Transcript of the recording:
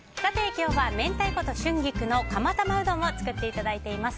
今日は明太子と春菊の釜玉うどんを作っていただいています。